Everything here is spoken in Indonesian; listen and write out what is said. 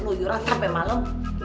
lujuran sampe malem